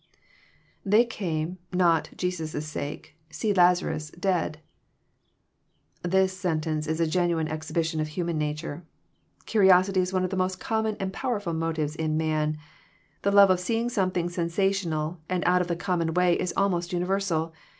[ They come»..nct:^esw^ sake, . .see Lazarus. ..deadJ] This sen tence is a genuine exhibition of human nature. Curiosity is one of the most common and powerful motives in man. The love of seeing something sensational and out of the common way is almost universal.